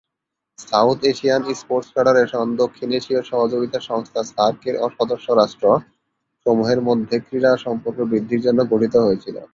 South Asian Sports Federation দক্ষিণ এশীয় সহযোগিতা সংস্থা সার্ক এর সদস্য রাষ্ট্র সমুহের মধ্যে ক্রীড়া সম্পর্ক বৃদ্ধির জন্য গঠিত হয়েছিল।